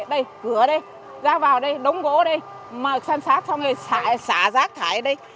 đây cửa đây ra vào đây đống gỗ đây mở sàn sát xong rồi xả rác thải đây